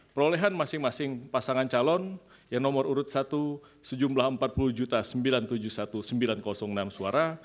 perolehan masing masing pasangan calon yang nomor urut satu sejumlah empat puluh sembilan ratus tujuh puluh satu sembilan ratus enam suara